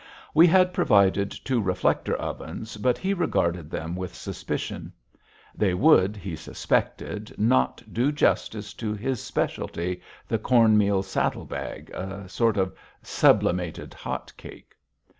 We had provided two reflector ovens, but he regarded them with suspicion. They would, he suspected, not do justice to his specialty, the corn meal saddle bag, a sort of sublimated hot cake.